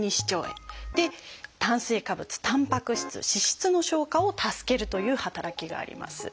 炭水化物たんぱく質脂質の消化を助けるという働きがあります。